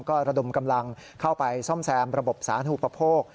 ก็ระดมกำลังเข้าไปซ่อมแซมระบบสาธุปโภค